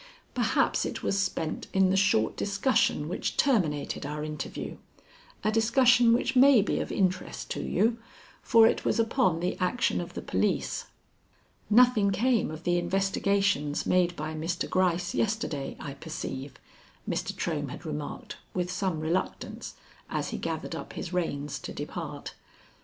Perhaps it was spent in the short discussion which terminated our interview; a discussion which may be of interest to you, for it was upon the action of the police. "Nothing came of the investigations made by Mr. Gryce yesterday, I perceive," Mr. Trohm had remarked, with some reluctance, as he gathered up his reins to depart.